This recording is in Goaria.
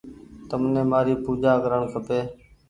تمني مآري پوجآ ڪرڻ کپي